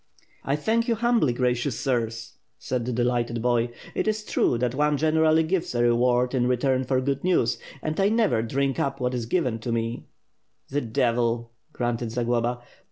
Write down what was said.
"I thank you, humbly, gracious sirs,' said the delighted boy. "It is true that one generally gives a reward in return for good news, and I never drink up what is given me. .." "The devil!" grunted Zagloba.